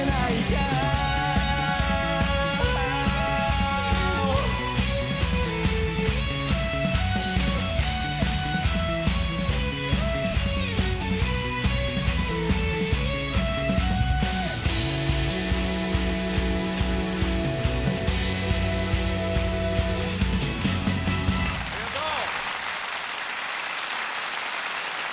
ありがとう！